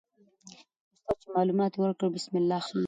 استاد چې معلومات یې ورکړل، بسم الله خان وو.